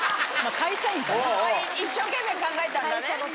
一生懸命考えたんだね。